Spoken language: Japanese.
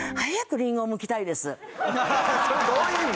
それどういう意味？